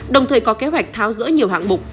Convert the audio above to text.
đồng thời có kế hoạch tháo rỡ nhiều hãng bục